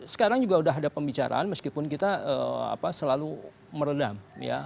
sekarang juga sudah ada pembicaraan meskipun kita selalu meredam ya